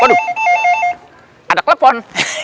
waduh ada telepon